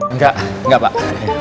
enggak enggak pak